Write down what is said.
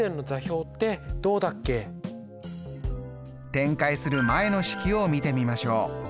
展開する前の式を見てみましょう。